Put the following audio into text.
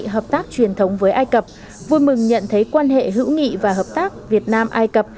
hợp tác truyền thống với ai cập vui mừng nhận thấy quan hệ hữu nghị và hợp tác việt nam ai cập